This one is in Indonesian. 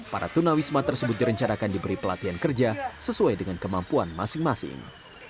para tuna wisma tersebut direncarakan diberi pelatihan kerja sesuai dengan kemampuan masing masing